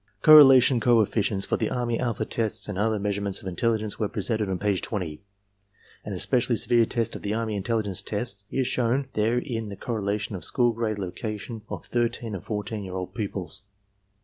Correlation coefficients for the army alpha test and other measurements of intelligence were presented on page 20. An especially severe test of the army intelligence tests is shown there in the correlation of school grade location of thirteen and fourteen year old pupils.